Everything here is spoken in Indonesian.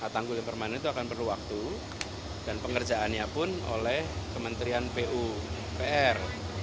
tanggul yang permanen itu akan perlu waktu dan pengerjaannya pun oleh kementerian pupr